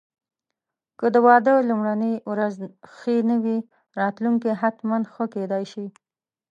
که د واده لومړني ورځې ښې نه وې، راتلونکی حتماً ښه کېدای شي.